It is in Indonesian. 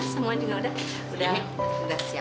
semua sudah siap ya